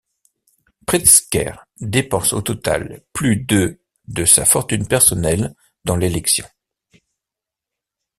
Pritzker dépense au total plus de de sa fortune personnelle dans l'élection.